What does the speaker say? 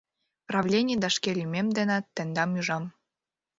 Правлений да шке лӱмем денат тендам ӱжам.